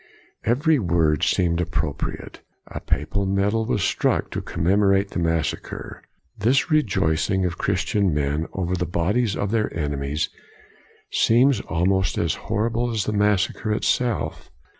Every word seemed appropriate. A papal medal was struck to commemorate the massacre. This rejoicing of Christian men over the bodies of their enemies seems almost as horrible as the massacre itself.